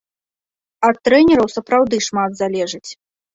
Ад трэнераў сапраўды шмат залежыць.